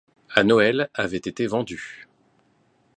À Noël, avaient été vendues.